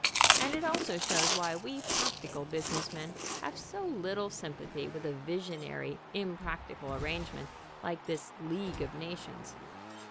And it also shows why we practical business men have so little sympathy with a visionary, impractical arrangement like this League of Nations.